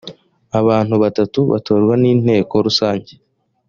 abantu batatu batorwa n’inteko rusange